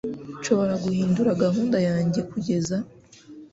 Nshobora guhindura gahunda yanjye kugeza